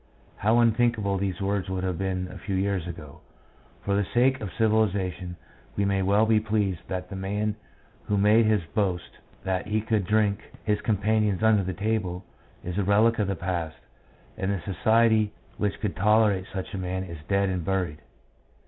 How unthinkable these words would have been a few years ago. For the sake of civilisation we may well be pleased that the man who made his boast that he could "drink his companions under the table," is a relic of the past, and the society which could tolerate such a man is dead and buried.